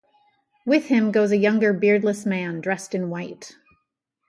With him goes a younger beardless man dressed in white.